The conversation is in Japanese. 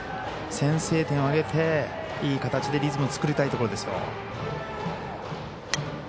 先制点を挙げていい形でリズムを作りたいところですよ。